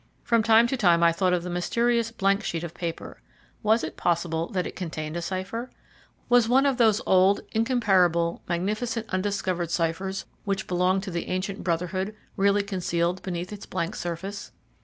From time to time I thought of the mysterious blank sheet of paper. Was it possible that it contained a cipher? Was one of those old, incomparable, magnificent undiscovered ciphers which belonged to the ancient Brotherhood really concealed beneath its blank surface?